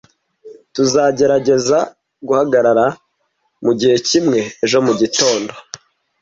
Tuzagerageza guhagarara mugihe kimwe ejo mugitondo.